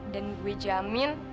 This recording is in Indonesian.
dan gue jamin